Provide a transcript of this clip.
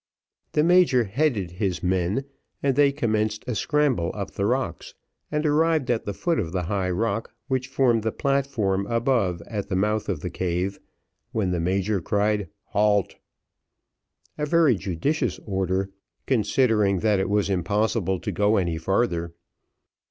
The major headed his men, and they commenced a scramble up the rocks and arrived at the foot of the high rock which formed the platform above at the mouth of the cave, when the major cried "Halt!" a very judicious order, considering that it was impossible to go any further.